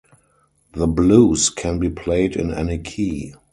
The blues can be played in any key.